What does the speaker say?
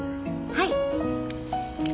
はい。